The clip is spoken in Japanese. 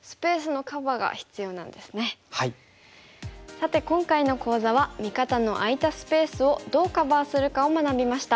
さて今回の講座は味方の空いたスペースをどうカバーするかを学びました。